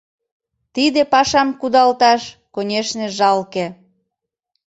Тиде пашам кудалташ, конешне, жалке.